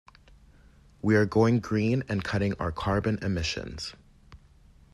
We are going green and cutting our carbon emissions.